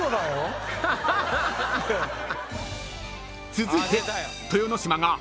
［続いて］